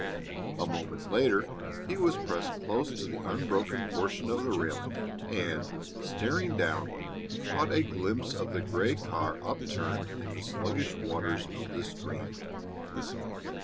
A moment later he was pressed close to the unbroken portion of the railing, and, staring down, caught a glimpse of the gray car upturned in the sluggish waters of the stream.